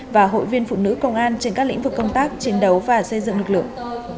và hội viên phụ nữ công an trên các lĩnh vực công tác chiến đấu và xây dựng lực lượng